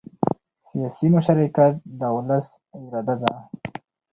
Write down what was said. سیاسي مشارکت د ولس اراده ده